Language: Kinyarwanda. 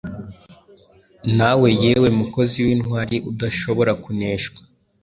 Nawe, yewe mukozi wintwali udashobora kuneshwa,